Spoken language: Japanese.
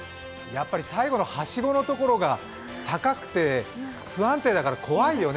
最後のはしごのところが、高くて不安定だから怖いね。